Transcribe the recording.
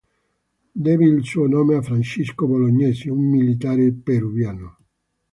Deve il suo nome a Francisco Bolognesi, un militare peruviano.